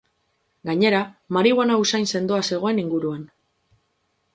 Gainera, marihuana usain sendoa zegoen inguruan.